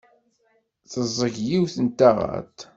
Teẓẓeg yiwet n taɣaḍt.